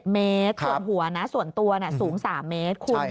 เมตรส่วนหัวนะส่วนตัวสูง๓เมตรคุณ